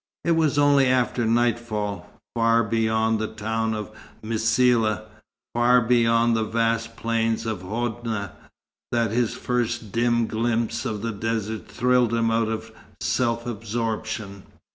It was only after nightfall, far beyond the town of Msila, far beyond the vast plain of the Hodna, that his first dim glimpse of the desert thrilled him out of self absorption.